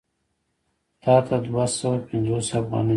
تا ته دوه سوه پنځوس افغانۍ درکوي